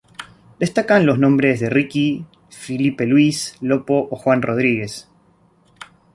Destacan los nombres de Riki, Filipe Luis, Lopo o Juan Rodríguez.